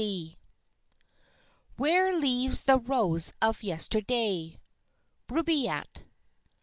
Roses "Where leaves the Rose of Yesterday?" Rubàiyat.